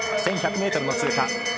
１１００ｍの通過。